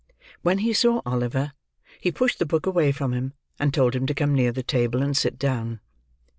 When he saw Oliver, he pushed the book away from him, and told him to come near the table, and sit down.